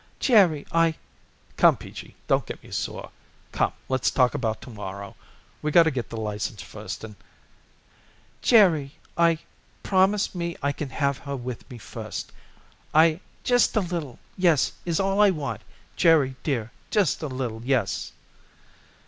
"Jerry, I " "Come, Peachy, don't get me sore. Come, let's talk about to morrow. We gotta get the license first and " "Jerry, I Promise me I can have her with me first. I Just a little yes is all I want Jerry dear just a little yes."